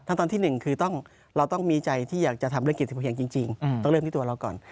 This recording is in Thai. ตอนที่๑คือเราต้องมีใจที่อยากจะทำเรื่องกิจที่พอเพียงจริงต้องเริ่มที่ตัวเราก่อน